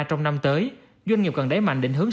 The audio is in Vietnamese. trong năm tới doanh nghiệp cần đáy mạnh định hướng